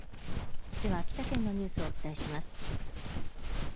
では、秋田県のニュースをお伝えします。